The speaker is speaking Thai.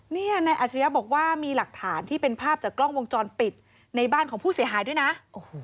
นี่นายอัจฉริยะบอกว่ามีหลักฐานที่เป็นภาพจากกล้องวงจรปิดในบ้านของผู้เสียหายด้วยนะโอ้โห